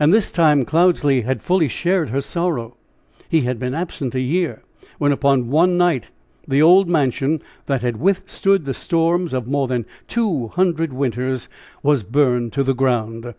And this time Cloudesley had fully shared her sorrow. He had been absent a year, when, upon one night the old mansion, that had withstood the storms of more than two hundred winters, was burned to the ground!